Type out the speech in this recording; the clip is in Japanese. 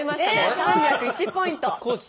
３０１ポイント。